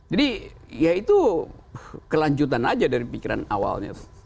jadi ya itu kelanjutan saja dari pikiran awalnya